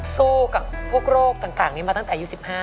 สู้กับพวกโรคต่างนี้มาตั้งแต่อายุ๑๕